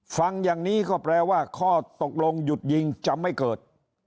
ฟังอย่างนี้ก็แปลว่าข้อตกลงหยุดยิงจะไม่เกิด